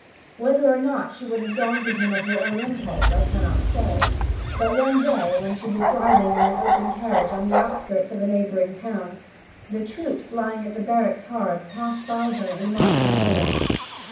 Whether or not she would have gone to him of her own impulse I cannot say; but one day, when she was driving in an open carriage in the outskirts of a neighbouring town, the troops lying at the barracks hard by passed her in marching order.